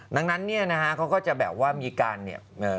ดังนั้นเนี่ยนะฮะเขาก็จะแบบว่ามีการเนี่ย